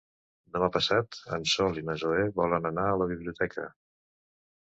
Demà passat en Sol i na Zoè volen anar a la biblioteca.